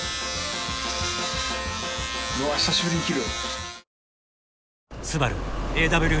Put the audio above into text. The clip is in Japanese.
久しぶりに切る。